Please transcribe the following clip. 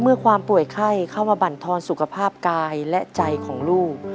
ความป่วยไข้เข้ามาบรรทอนสุขภาพกายและใจของลูก